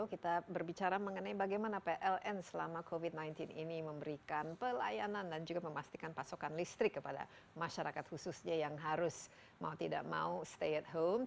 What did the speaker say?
kita berbicara mengenai bagaimana pln selama covid sembilan belas ini memberikan pelayanan dan juga memastikan pasokan listrik kepada masyarakat khususnya yang harus mau tidak mau stay at home